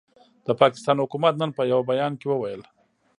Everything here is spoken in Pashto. د پاکستان حکومت نن په یوه بیان کې وویل،